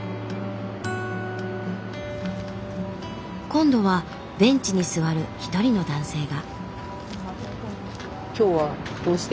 今度はベンチに座る一人の男性が。